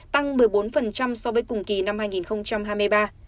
tăng một mươi bốn so với cùng kỳ năm hai nghìn hai mươi ba